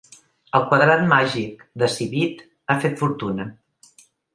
El quadrat màgic de Civit ha fet fortuna.